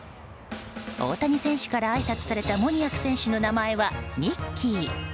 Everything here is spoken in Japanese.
大谷選手からあいさつされたモニアク選手の名前はミッキー。